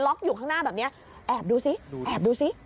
ล็อกอยู่ข้างหน้าแบบนี้แอบดูซิ